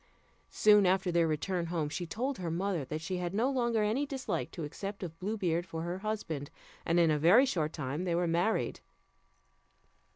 Soon after their return home, she told her mother that she had no longer any dislike to accept of Blue Beard for her husband; and in a very short time they were married.